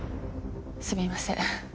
すみません。